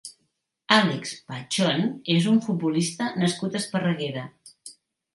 Álex Pachón és un futbolista nascut a Esparreguera.